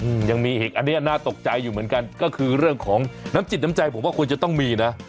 อืมยังมีอีกอันเนี้ยน่าตกใจอยู่เหมือนกันก็คือเรื่องของน้ำจิตน้ำใจผมว่าควรจะต้องมีนะ